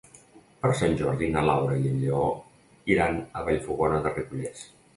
Per Sant Jordi na Laura i en Lleó iran a Vallfogona de Ripollès.